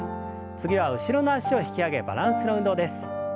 次は後ろの脚を引き上げバランスの運動です。